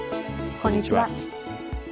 こんにちは。